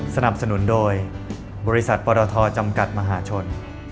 สนับสนุนโดยบริษัทปรทจำกัดมหาชน